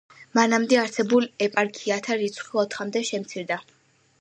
მანამდე არსებულ ეპარქიათა რიცხვი ოთხამდე შემცირდა.